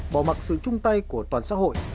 bỏ mặc sự chung tay của toàn xã hội